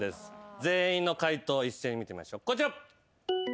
全員の解答一斉に見てみましょうこちら。